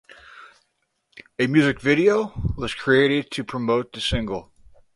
A music video was created to promote the single.